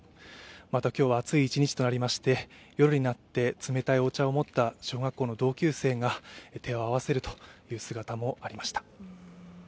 また今日は暑い１日となりまして、夜になって冷たいお茶を持った小学校の同級生が手を合わせるという姿もありました。